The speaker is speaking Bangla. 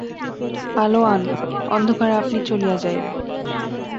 আলো আন, অন্ধকার আপনি চলিয়া যাইবে।